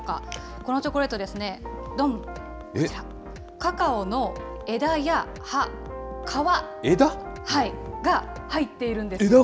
このチョコレートですね、どん、カカオの枝や葉、枝が入ってるんですか？